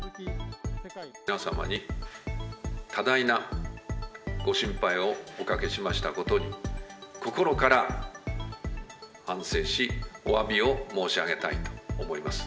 皆様に多大なご心配をおかけしましたことに心から反省し、おわびを申し上げたいと思います。